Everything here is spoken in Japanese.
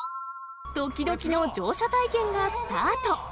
どきどきの乗車体験がスター